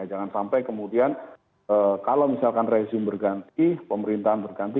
jangan sampai kemudian kalau misalkan rezim berganti pemerintahan berganti